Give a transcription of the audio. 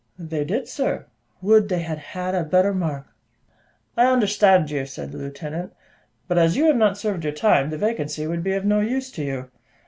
"They did, sir; would they had had a better mark." "I understand you," said the lieutenant; "but as you have not served your time, the vacancy would be of no use to you.